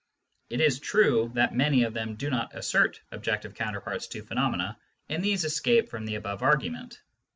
It is true that many of them do not assert objective counterparts to phenomena, and these escape from the above argument.